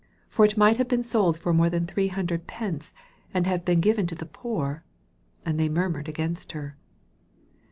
5 For it might have been sold for more thau three hundred pence and huve been given to the poor. And they murmered against her.